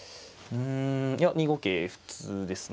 うんいや２五桂普通ですね。